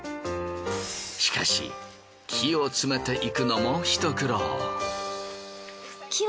しかし木を詰めていくのもひと苦労。